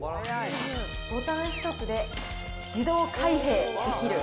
ボタン１つで自動開閉できる。